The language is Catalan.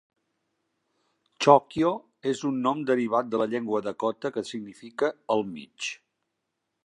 Chokio és un nom derivat de la llengua dakota que significa "el mig".